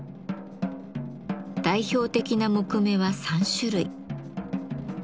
代表的な木目は３種類。